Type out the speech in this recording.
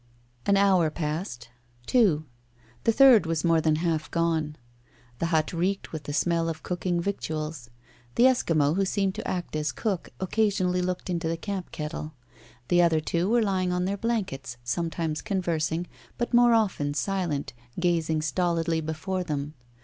An hour passed two. The third was more than half gone. The hut reeked with the smell of cooking victuals. The Eskimo, who seemed to act as cook, occasionally looked into the camp kettle. The other two were lying on their blankets, sometimes conversing, but more often silent, gazing stolidly before them.